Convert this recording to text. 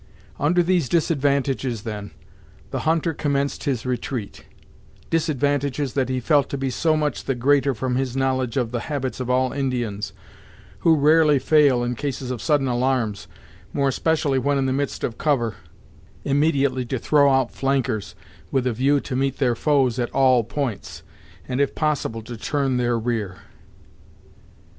Under these disadvantages, then, the hunter commenced his retreat, disadvantages that he felt to be so much the greater from his knowledge of the habits of all Indians, who rarely fail in cases of sudden alarms, more especially when in the midst of cover, immediately to throw out flankers, with a view to meet their foes at all points, and if possible to turn their rear.